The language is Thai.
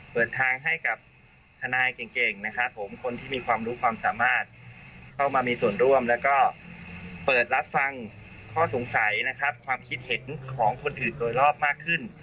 เปิดทางให้กับทนายเก่งนะครับผมคนที่มีความรู้ความสามารถเข้ามามีส่วนร่วมแล้วก็เปิดรับฟังข้อสงสัยนะครับความคิดเห็นของคนอื่นโดยรอบมากขึ้น